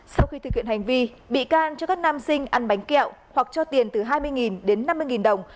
sau khi thực hiện hành vi bị can cho các nam sinh ăn bánh kẹo hoặc cho tiền từ hai mươi đến năm mươi đồng